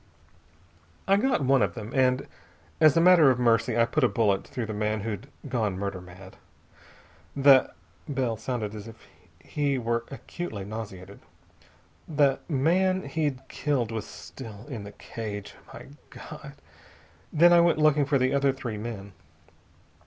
"I got one then, and as a matter of mercy I put a bullet through the man who'd gone murder mad. The" Bell sounded as if he were acutely nauseated "the man he'd killed was still in the cage. My God!... Then I went looking for the other three men.